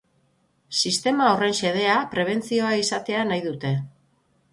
Sistema horren xedea prebentzioa izatea nahi dute.